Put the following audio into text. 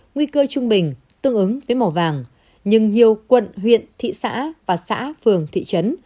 nguy cơ trung bình tương ứng với màu vàng nhưng nhiều quận huyện thị xã và xã phường thị trấn